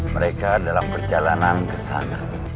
mereka dalam perjalanan ke sana